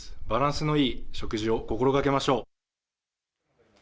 バランスのいい食事を心掛けましょう。